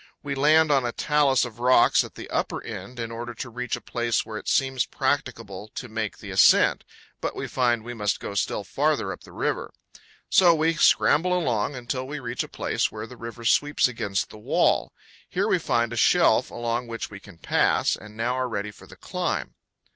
We land on a talus of rocks at the upper end in order to reach a place where it seems practicable to make the ascent; but we find we must go still farther up the river. So we scramble along, until we reach a place where the river sweeps against the wall. Here we find a shelf along which we can pass, and now are ready for the climb.